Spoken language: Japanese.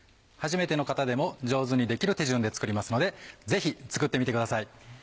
初めての方でも上手にできる手順で作りますのでぜひ作ってみてください。